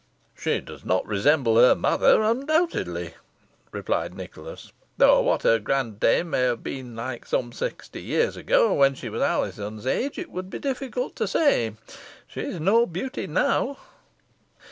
"She does not resemble her mother, undoubtedly," replied Nicholas, "though what her grand dame may have been some sixty years ago, when she was Alizon's age, it would be difficult to say. She is no beauty now."